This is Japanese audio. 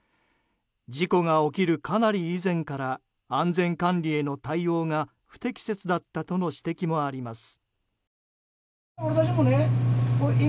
事故が起きるかなり以前から安全管理への対応が不適切だったとの指摘もあります。